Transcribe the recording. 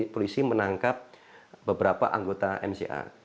polisi menangkap beberapa anggota mca